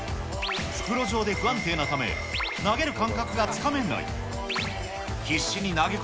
袋状で不安定なため、投げる感覚がつかめない。